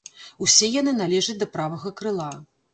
Усе яны належаць да правага крыла.